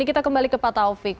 kita kembali ke pak taufik